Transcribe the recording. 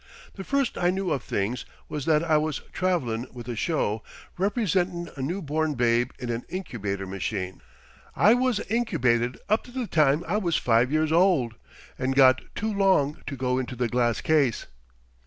The first I knew of things was that I was travelin' with a show, representin' a newborn babe in an incubator machine. I was incubated up to the time I was five years old, and got too long to go in the glass case."